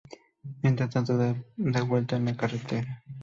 Mientras tanto, de vuelta en la carretera.